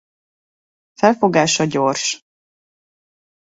Felfogása gyors.